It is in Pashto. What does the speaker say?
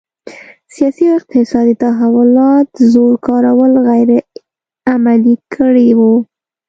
سیاسي او اقتصادي تحولات زور کارول غیر عملي کړي وو.